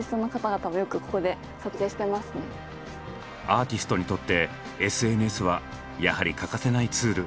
アーティストにとってＳＮＳはやはり欠かせないツール。